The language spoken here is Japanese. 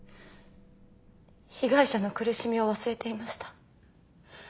被害者の苦しみを忘れていました。